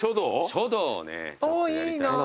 書道をねちょっとやりたいなと。